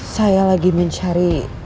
saya lagi mencari